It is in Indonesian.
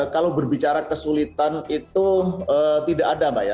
kalau berbicara kesulitan itu tidak ada mbak ya